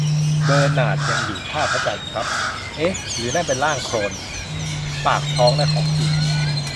เบอร์นาร์ดยังอยู่ท่าพระจันทร์ครับ เอ๊ะ หรือนั่นเป็นร่างโคลน ! ? ปากท้องและของกิน